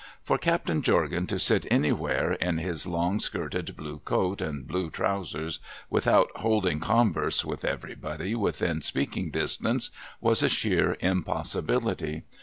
For Captain Jorgan to sit anywhere in his long skirted blue coat and blue trousers, without holding converse with everybody within speaking distance, was a sheer impossibility.